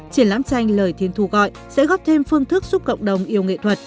triển lãm tranh lời thiên thu gọi sẽ góp thêm phương thức giúp cộng đồng yêu nghệ thuật